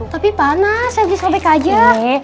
tapi panas saya disobek aja